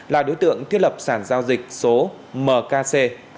là đối tượng thiết lập sản giao dịch số mkc